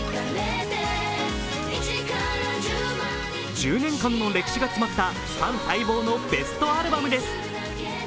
１０年間の歴史が詰まったファン待望のベストアルバムです。